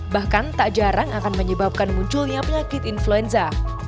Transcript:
bahkan tak jarang akan menyebabkan munculnya penyakit influenza